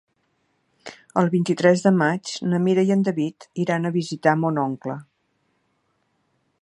El vint-i-tres de maig na Mira i en David iran a visitar mon oncle.